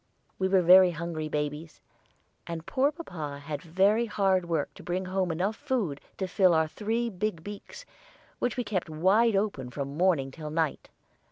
We were very hungry babies, and poor papa had very hard work to bring home enough food to fill our three big beaks, which we kept wide open from morning till night.